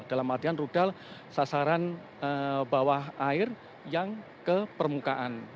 dalam artian rudal sasaran bawah air yang ke permukaan